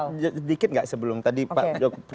boleh sedikit nggak sebelum tadi pak